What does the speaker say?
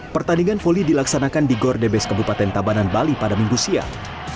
pertandingan voli dilaksanakan di gordebes kebupaten tabanan bali pada minggu siang